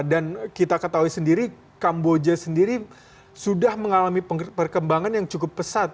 kita ketahui sendiri kamboja sendiri sudah mengalami perkembangan yang cukup pesat